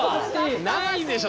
ないでしょ